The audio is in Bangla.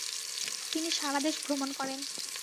তিনি সারা দেশ ভ্রমণ করেন।